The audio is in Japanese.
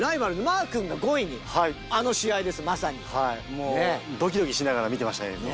もうドキドキしながら見てました映像。